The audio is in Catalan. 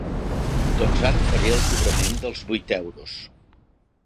Doncs ara faré el cobrament dels vuit euros.